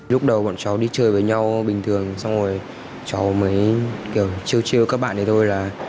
lúc đầu bọn cháu đi chơi với nhau bình thường xong rồi cháu mới kiểu trưa chiều các bạn này thôi là